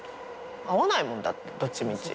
あわないもんどっちみち。